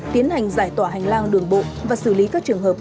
tiến hành giải tỏa hành lang đường bộ và xử lý các trường hợp mua bán